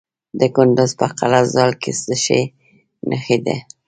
د کندز په قلعه ذال کې د څه شي نښې دي؟